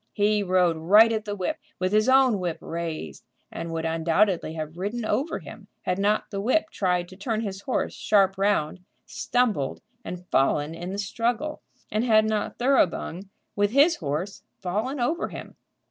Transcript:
He rode right at the whip, with his own whip raised, and would undoubtedly have ridden over him had not the whip tried to turn his horse sharp round, stumbled and fallen in the struggle, and had not Thoroughbung, with his horse, fallen over him.